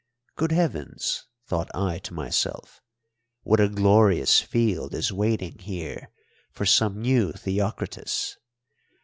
Good heavens, thought I to myself, what a glorious field is waiting here for some new Theocritus!